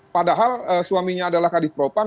padahal suaminya adalah kadif propam